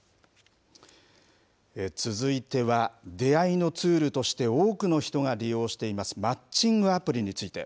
続いては、出会いのツールとして多くの人が利用しています、マッチングアプリについて。